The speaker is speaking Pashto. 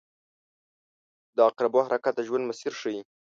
• د عقربو حرکت د ژوند مسیر ښيي.